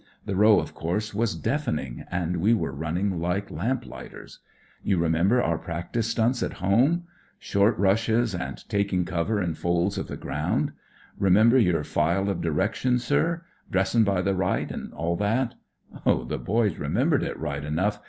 The row, of course, was deafening; and we were running like lamplighters. You remem ber our practice stunts at home ? Short 12 WHAT IT'S LIKE IN THE PUSH rushes, and taking cover in folds of the ground. Remember your file of direction, sir; dressin' by the right; an' all that. Oh, the boys remembered it right enough.